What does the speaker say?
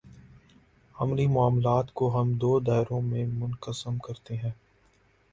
عملی معاملات کو ہم دو دائروں میں منقسم کرتے ہیں۔